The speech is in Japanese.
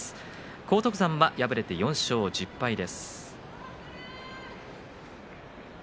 荒篤山は４勝１０敗です。